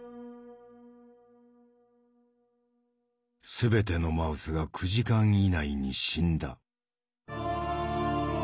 全てのマウスが９時間以内に死んだ。